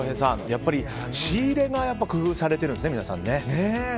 やっぱり仕入れが工夫されているんですね。